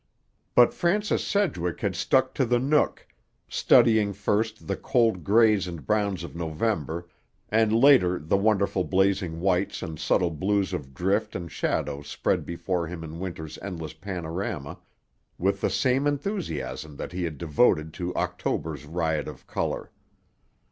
But Francis Sedgwick had stuck to the Nook, studying first the cold grays and browns of November, and later the wonderful blazing whites and subtle blues of drift and shadow spread before him in winter's endless panorama, with the same enthusiasm that he had devoted to October's riot of color.